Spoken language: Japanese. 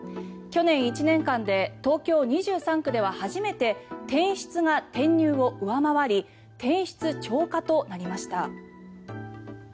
去年１年間で東京２３区では初めて転出が転入を上回り転出超過となりました。